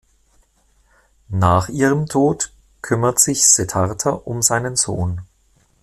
Nach ihrem Tod kümmert sich Siddhartha um seinen Sohn.